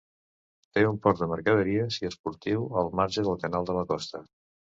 Té un port de mercaderies i esportiu al marge del Canal de la Costa.